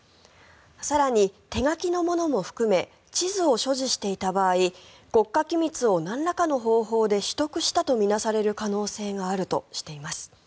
更に、手書きのものも含め地図を所持していた場合国家機密をなんらかの方法で取得したと見なされる可能性があるとしています。